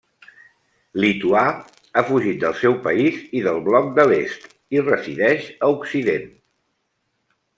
Lituà, ha fugit del seu país i del Bloc de l'Est, i resideix a Occident.